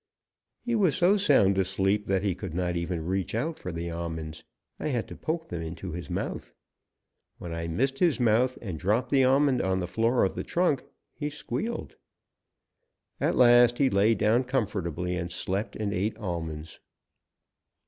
He was so sound asleep that he could not even reach out for the almonds; I had to poke them into his mouth. When I missed his mouth and dropped the almond on the floor of the trunk he squealed. At last he lay down comfortably and slept and ate almonds.